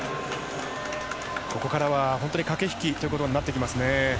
ここからは駆け引きということになってきますね。